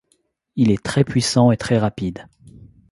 Il est très puissant et très rapide.